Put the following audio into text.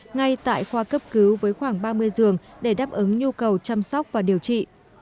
ngay tại khoa cấp cứu với khoảng ba mươi giường để đáp ứng nhu cầu chăm sóc và điều trị